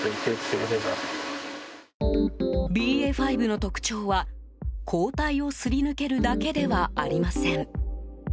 ＢＡ．５の特徴は、抗体をすり抜けるだけではありません。